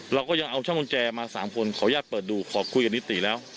เราก็ยังเอาช่องกุญแจมา๓คนขออนุญาตเปิดดูขอคุยกับนิติแล้ว